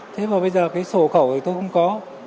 thế mà bây giờ cái sổ khẩu thì tôi cũng có